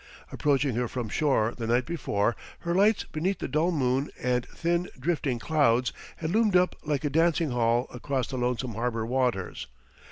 Approaching her from shore the night before, her lights beneath the dull moon and thin, drifting clouds had loomed up like a dancing hall across the lonesome harbor waters.